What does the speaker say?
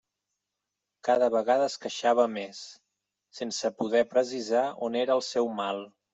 Cada vegada es queixava més, sense poder precisar on era el seu mal.